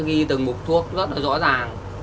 ghi từng mục thuốc rất là rõ ràng